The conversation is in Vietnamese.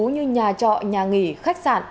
như nhà trọ nhà nghỉ khách sạn